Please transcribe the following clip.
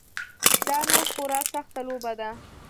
دا نو خورا سخته لوبه ده.